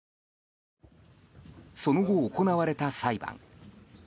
その後行われた裁判。